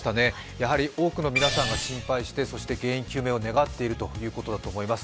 やはり多くの皆さんが心配をして原因究明を願っているということだと思います。